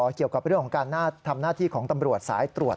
เกี่ยวกับเรื่องของการทำหน้าที่ของตำรวจสายตรวจ